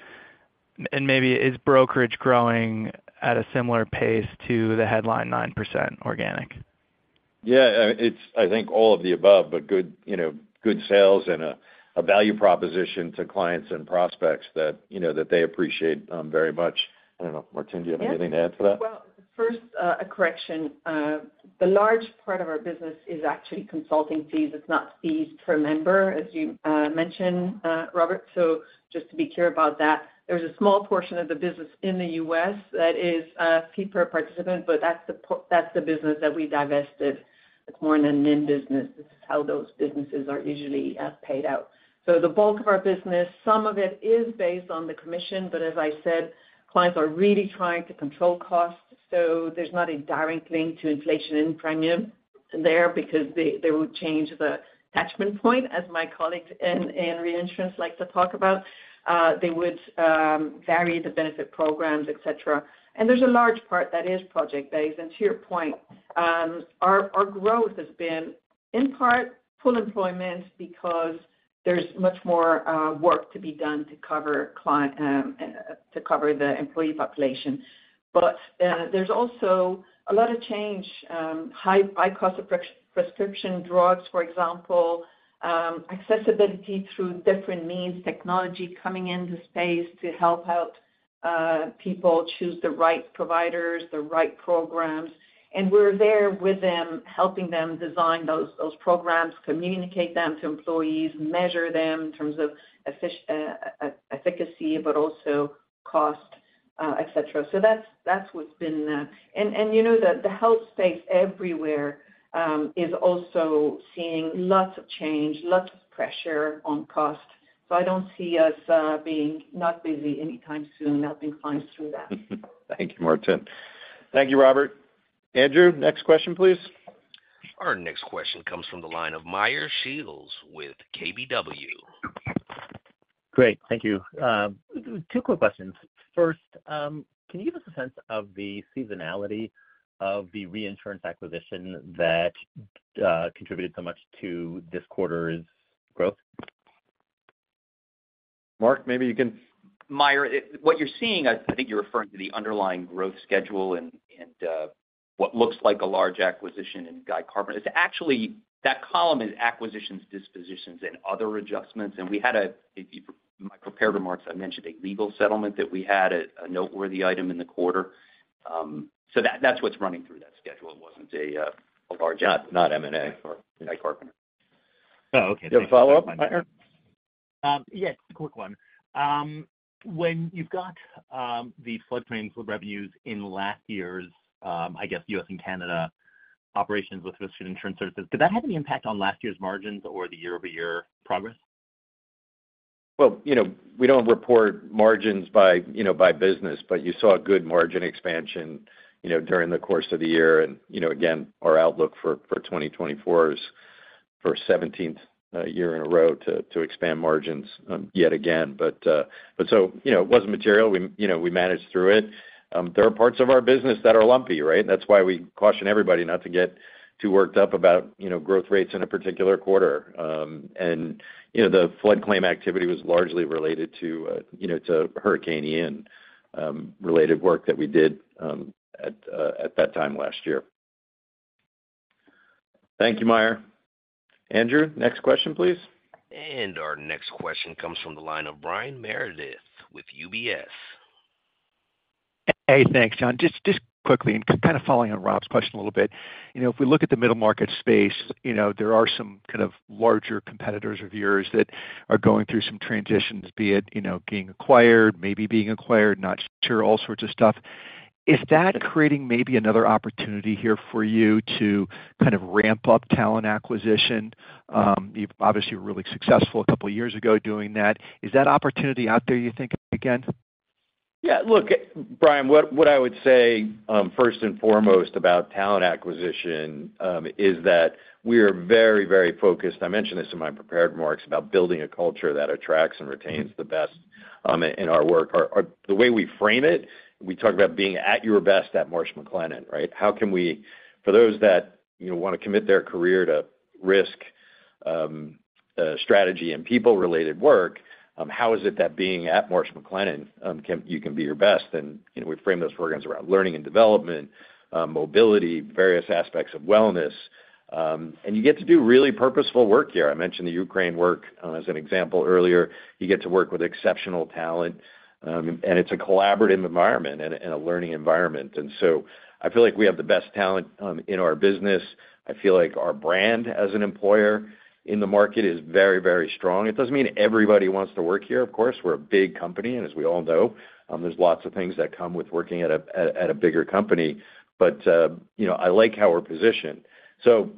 maybe is brokerage growing at a similar pace to the headline 9% organic? Yeah, I think all of the above, but good, you know, good sales and a value proposition to clients and prospects that, you know, that they appreciate very much. I don't know, Martine, do you have anything to add to that? Well, first, a correction. The large part of our business is actually Consulting fees. It's not fees per member, as you mentioned, Robert. So just to be clear about that, there's a small portion of the business in the U.S. that is fee per participant, but that's the business that we divested, the[NIM] business. This is how those businesses are usually paid out. So the bulk of our business, some of it is based on the commission, but as I said, clients are really trying to control costs, so there's not a direct link to inflation in premium there because they would change the attachment point, as my colleagues in reinsurance like to talk about. They would vary the benefit programs, et cetera. And there's a large part that is project-based. And to your point, our growth has been, in part, full employment, because there's much more work to be done to cover client to cover the employee population. But there's also a lot of change, high cost of prescription drugs, for example, accessibility through different means, technology coming into the space to help out people choose the right providers, the right programs. And we're there with them, helping them design those programs, communicate them to employees, measure them in terms of efficacy, but also cost, et cetera. So that's what's been. And you know that the health space everywhere is also seeing lots of change, lots of pressure on cost. So I don't see us being not busy anytime soon, helping clients through that. Thank you, Martine. Thank you, Robert. Andrew, next question, please. Our next question comes from the line of Meyer Shields with KBW. Great. Thank you. Two quick questions. First, can you give us a sense of the seasonality of the reinsurance acquisition that contributed so much to this quarter's growth? Mark, maybe you can- Meyer, what you're seeing, I think you're referring to the underlying growth schedule and what looks like a large acquisition in Guy Carpenter. It's actually, that column is acquisitions, dispositions, and other adjustments, and we had a—if you, in my prepared remarks, I mentioned a legal settlement that we had, a noteworthy item in the quarter. So that, that's what's running through that schedule. It wasn't a large, not MMA or Guy Carpenter. Oh, okay. You have a follow-up, Meyer? Yes, a quick one. When you've got the flood claim flood revenues in last year's, I guess, U.S. and Canada operations with Risk and Insurance Services, did that have any impact on last year's margins or the year-over-year progress? Well, you know, we don't report margins by, you know, by business, but you saw good margin expansion, you know, during the course of the year. And, you know, again, our outlook for 2024 is for a 17th year in a row to expand margins, yet again. But, but so, you know, it wasn't material. We, you know, we managed through it. There are parts of our business that are lumpy, right? That's why we caution everybody not to get too worked up about, you know, growth rates in a particular quarter. And, you know, the flood claim activity was largely related to, you know, to Hurricane Ian, related work that we did, at, at that time last year. Thank you, Meyer. Andrew, next question, please. Our next question comes from the line of Brian Meredith with UBS. Hey, thanks, John. Just quickly, and kind of following on Rob's question a little bit. You know, if we look at the middle market space, you know, there are some kind of larger competitors of yours that are going through some transitions, be it, you know, being acquired, maybe being acquired, not sure, all sorts of stuff. Is that creating maybe another opportunity here for you to kind of ramp up talent acquisition? You've obviously were really successful a couple of years ago doing that. Is that opportunity out there, you think, again? Yeah. Look, Brian, what, what I would say, first and foremost about talent acquisition, is that we are very, very focused. I mentioned this in my prepared remarks, about building a culture that attracts and retains the best in our work. The way we frame it, we talk about being at your best at Marsh McLennan, right? How can we, for those that, you know, want to commit their career to risk, strategy and people-related work, how is it that being at Marsh McLennan can—you can be your best? And, you know, we frame those programs around learning and development, mobility, various aspects of wellness, and you get to do really purposeful work here. I mentioned the Ukraine work, as an example earlier. You get to work with exceptional talent, and it's a collaborative environment and a learning environment. And so I feel like we have the best talent in our business. I feel like our brand as an employer in the market is very, very strong. It doesn't mean everybody wants to work here, of course. We're a big company, and as we all know, there's lots of things that come with working at a bigger company. But you know, I like how we're positioned. So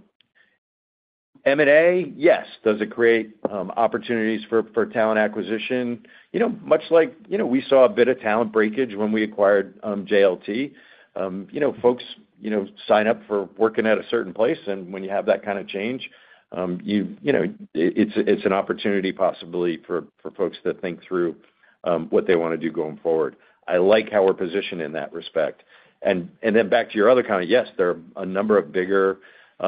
MMA, yes. Does it create opportunities for talent acquisition? You know, much like... You know, we saw a bit of talent breakage when we acquired JLT. You know, folks, you know, sign up for working at a certain place, and when you have that kind of change, you know, it's an opportunity, possibly, for folks to think through what they want to do going forward. I like how we're positioned in that respect. And then back to your other comment, yes, there are a number of bigger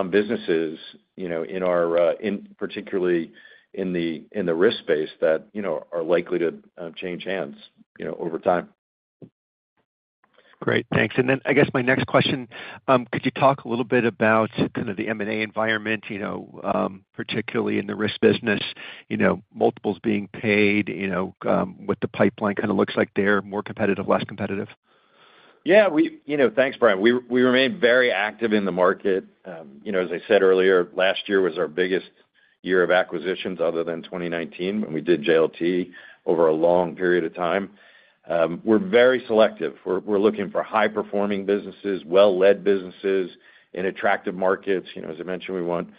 businesses, you know, in our, particularly in the risk space, that you know, are likely to change hands, you know, over time. Great, thanks. I guess my next question, could you talk a little bit about kind of the M&A environment, you know, particularly in the risk business, you know, multiples being paid, you know, what the pipeline kind of looks like there, more competitive, less competitive? Yeah, you know, thanks, Brian. We remain very active in the market. You know, as I said earlier, last year was our biggest year of acquisitions other than 2019, when we did JLT over a long period of time. We're very selective. We're looking for high-performing businesses, well-led businesses in attractive markets. You know, as I mentioned, we want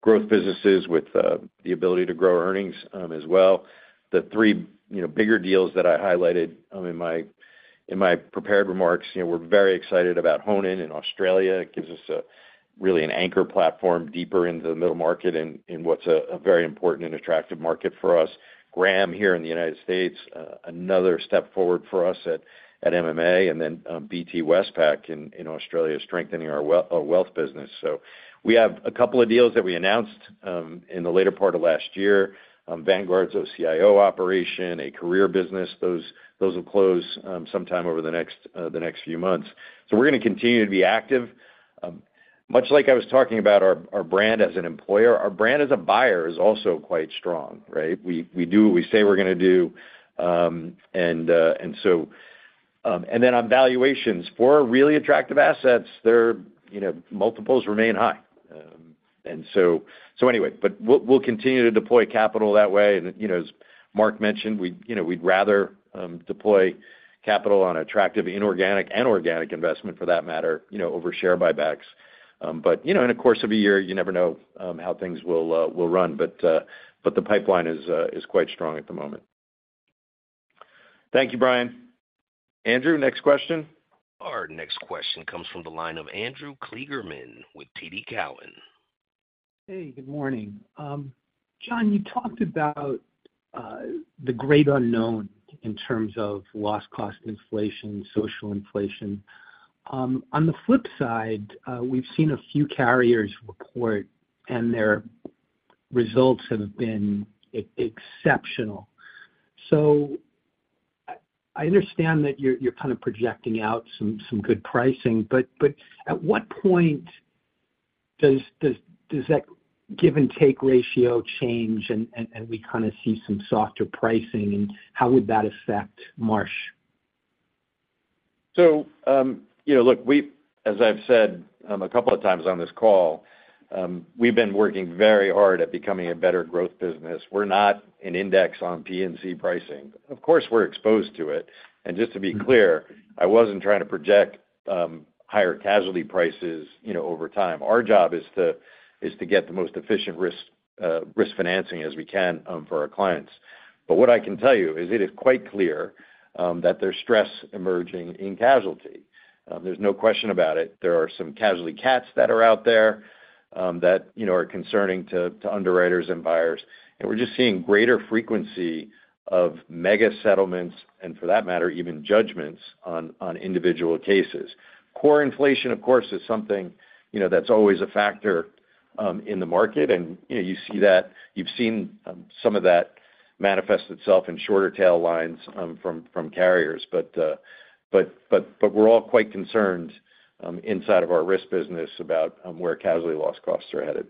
growth businesses with the ability to grow earnings as well. The three bigger deals that I highlighted in my prepared remarks, you know, we're very excited about Honan in Australia. It gives us a really an anchor platform deeper into the middle market in what's a very important and attractive market for us. Graham Company, here in the United States, another step forward for us at MMA, and then BT, Westpac in Australia, strengthening our wealth business. So we have a couple of deals that we announced in the later part of last year. Vanguard's OCIO operation, a Mercer business. Those will close sometime over the next few months. So we're going to continue to be active. Much like I was talking about our brand as an employer, our brand as a buyer is also quite strong, right? We do what we say we're going to do. And so... And then on valuations, for really attractive assets, they're, you know, multiples remain high. And so anyway, but we'll continue to deploy capital that way. And, you know, as Mark mentioned, we'd rather deploy capital on attractive inorganic and organic investment for that matter, you know, over share buybacks. But, you know, in the course of a year, you never know how things will run. But the pipeline is quite strong at the moment. Thank you, Brian. Andrew, next question. Our next question comes from the line of Andrew Kligerman with TD Cowen. Hey, good morning. John, you talked about the great unknown in terms of loss cost inflation, social inflation. On the flip side, we've seen a few carriers report, and their results have been exceptional. So I understand that you're kind of projecting out some good pricing, but at what point does that give and take ratio change and we kind of see some softer pricing, and how would that affect Marsh? So, you know, look, we've—as I've said, a couple of times on this call, we've been working very hard at becoming a better growth business. We're not an index on P&C pricing. Of course, we're exposed to it. And just to be clear, I wasn't trying to project higher casualty prices, you know, over time. Our job is to get the most efficient risk financing as we can for our clients. But what I can tell you is it is quite clear that there's stress emerging in casualty. There's no question about it. There are some casualty CATs that are out there that, you know, are concerning to underwriters and buyers. And we're just seeing greater frequency of mega settlements, and for that matter, even judgments on individual cases. Core inflation, of course, is something, you know, that's always a factor in the market, and, you know, you see that... You've seen some of that manifest itself in shorter tail lines from carriers. But we're all quite concerned inside of our risk business about where casualty loss costs are headed.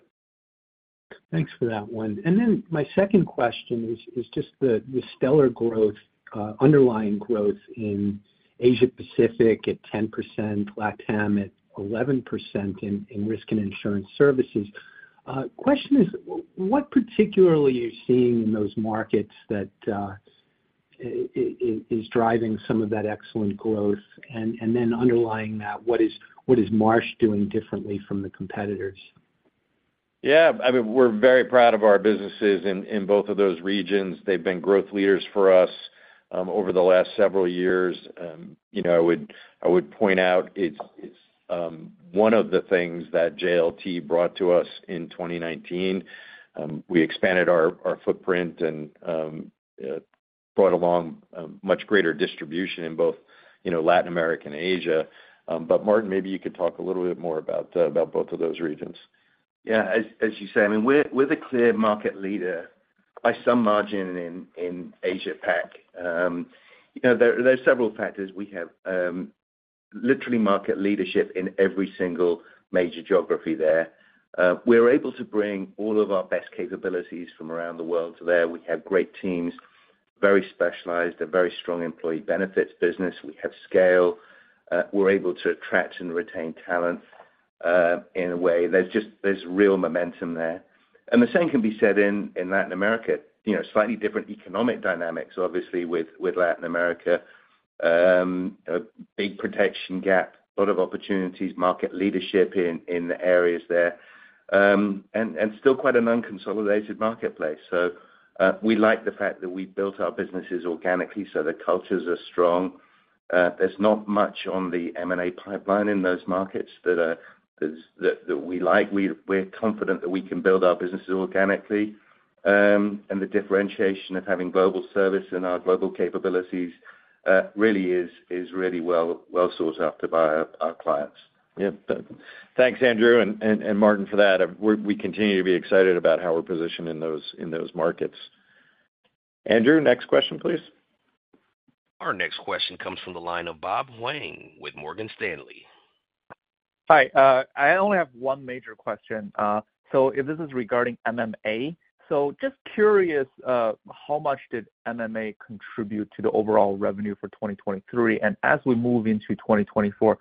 Thanks for that one. And then my second question is just the stellar growth, underlying growth in Asia Pacific at 10%, LatAm at 11% in Risk and Insurance Services. Question is, what particularly are you seeing in those markets that is driving some of that excellent growth? And then underlying that, what is Marsh doing differently from the competitors? Yeah, I mean, we're very proud of our businesses in both of those regions. They've been growth leaders for us over the last several years. You know, I would point out it's one of the things that JLT brought to us in 2019. We expanded our footprint and brought along a much greater distribution in both, you know, Latin America and Asia. But Martin, maybe you could talk a little bit more about both of those regions. Yeah, as you say, I mean, we're the clear market leader by some margin in Asia-Pac. You know, there are several factors. We have literally market leadership in every single major geography there. We're able to bring all of our best capabilities from around the world to there. We have great teams, very specialized, a very strong employee benefits business. We have scale. We're able to attract and retain talent in a way. There's real momentum there. And the same can be said in Latin America. You know, slightly different economic dynamics, obviously, with Latin America. A big protection gap, a lot of opportunities, market leadership in the areas there, and still quite an unconsolidated marketplace. So, we like the fact that we built our businesses organically, so the cultures are strong. There's not much on the M&A pipeline in those markets that we like. We're confident that we can build our businesses organically, and the differentiation of having global service and our global capabilities really is really well sought after by our clients. Yeah. Thanks, Andrew and Martin, for that. We continue to be excited about how we're positioned in those markets. Andrew, next question, please. Our next question comes from the line of Bob Huang with Morgan Stanley. Hi, I only have one major question. So this is regarding MMA. So just curious, how much did MMA contribute to the overall revenue for 2023? And as we move into 2024,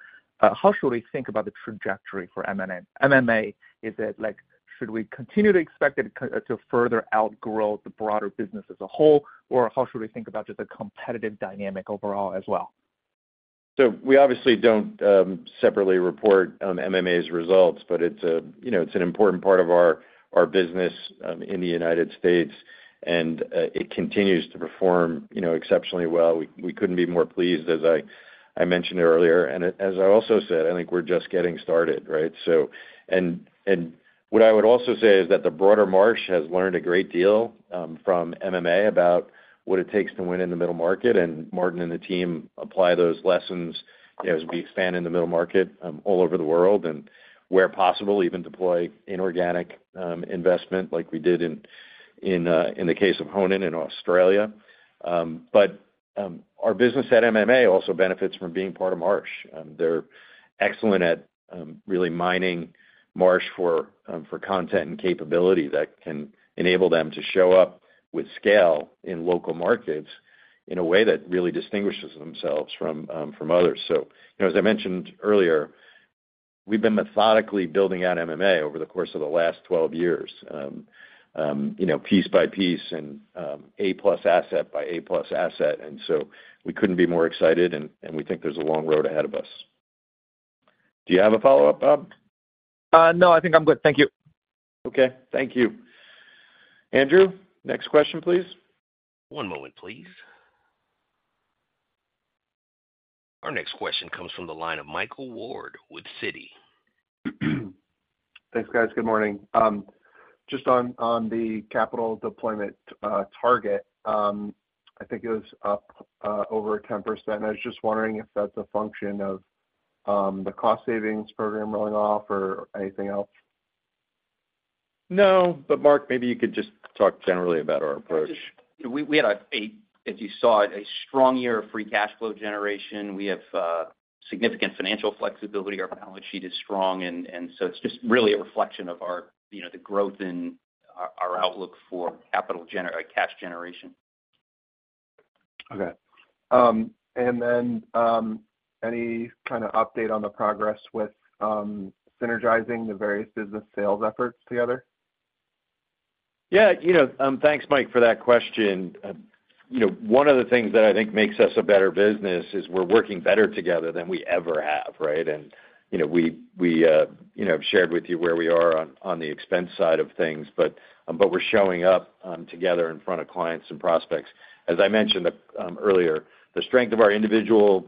how should we think about the trajectory for MMA? Is it like, should we continue to expect it to further outgrow the broader business as a whole? Or how should we think about just the competitive dynamic overall as well? So we obviously don't separately report MMA's results, but it's, you know, an important part of our business in the United States, and it continues to perform, you know, exceptionally well. We couldn't be more pleased, as I mentioned earlier. And as I also said, I think we're just getting started, right? So, and what I would also say is that the broader Marsh has learned a great deal from MMA about what it takes to win in the middle market, and Martin and the team apply those lessons, you know, as we expand in the middle market all over the world, and where possible, even deploy inorganic investment like we did in the case of Honan in Australia. But our business at MMA also benefits from being part of Marsh. They're excellent at really mining Marsh for content and capability that can enable them to show up with scale in local markets in a way that really distinguishes themselves from others. So, you know, as I mentioned earlier, we've been methodically building out MMA over the course of the last 12 years, you know, piece by piece and A+ asset by A+ asset. And so we couldn't be more excited, and we think there's a long road ahead of us. Do you have a follow-up, Bob? No, I think I'm good. Thank you. Okay, thank you. Andrew, next question, please. One moment, please. Our next question comes from the line of Michael Ward with Citi. Thanks, guys. Good morning. Just on, on the capital deployment, target, I think it was up, over 10%. I was just wondering if that's a function of, the cost savings program rolling off or anything else? No, but Mark, maybe you could just talk generally about our approach. We had, as you saw, a strong year of free cash flow generation. We have significant financial flexibility. Our balance sheet is strong, and so it's just really a reflection of our, you know, the growth in our outlook for cash generation. Okay. And then, any kind of update on the progress with synergizing the various business sales efforts together? Yeah, you know, thanks, Mike, for that question. You know, one of the things that I think makes us a better business is we're working better together than we ever have, right? And, you know, we shared with you where we are on, on the expense side of things, but, but we're showing up, together in front of clients and prospects. As I mentioned, earlier, the strength of our individual,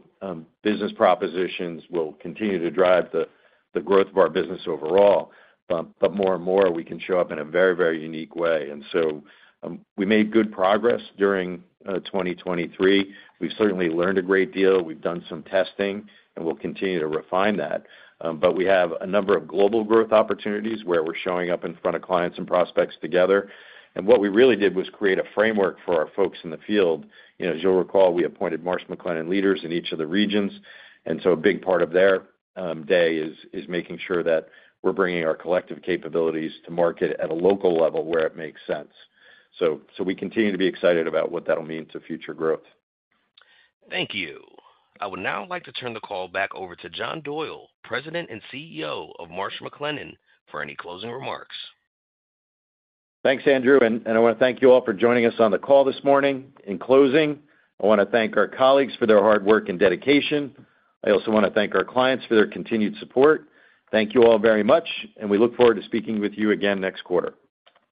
business propositions will continue to drive the growth of our business overall, but more and more, we can show up in a very, very unique way. And so, we made good progress during 2023. We've certainly learned a great deal. We've done some testing, and we'll continue to refine that. But we have a number of global growth opportunities, where we're showing up in front of clients and prospects together. And what we really did was create a framework for our folks in the field. You know, as you'll recall, we appointed Marsh McLennan leaders in each of the regions, and so a big part of their day is making sure that we're bringing our collective capabilities to market at a local level where it makes sense. So we continue to be excited about what that'll mean to future growth. Thank you. I would now like to turn the call back over to John Doyle, President and CEO of Marsh McLennan, for any closing remarks. Thanks, Andrew, and I want to thank you all for joining us on the call this morning. In closing, I want to thank our colleagues for their hard work and dedication. I also want to thank our clients for their continued support. Thank you all very much, and we look forward to speaking with you again next quarter.